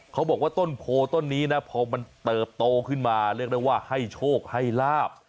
เขาบอกว่าต้นโพต้นนี้นะพอมันเติบโตขึ้นมาเรียกได้ว่าให้โชคให้ลาบ